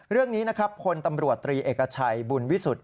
เรื่องนี้คนตำรวจตรีเอกชัยบุญวิสุทธิ์